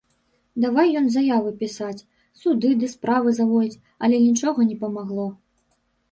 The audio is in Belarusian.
Давай ён заявы пісаць, суды ды справы заводзіць, але нічога не памагло.